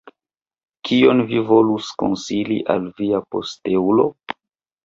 Kion vi volus konsili al via posteulo?